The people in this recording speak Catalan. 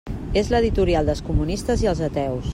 És l'editorial dels comunistes i els ateus.